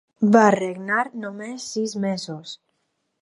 Va regnar només sis mesos.